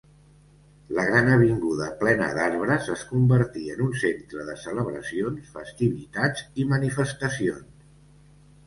La gran avinguda plena d'arbres es convertí en un centre de celebracions, festivitats i manifestacions.